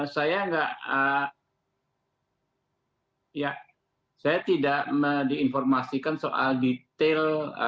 saya tidak diinformasikan soal detail